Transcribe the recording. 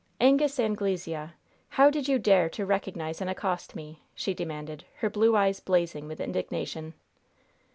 "Angus Anglesea! how did you dare to recognize and accost me?" she demanded, her blue eyes blazing with indignation.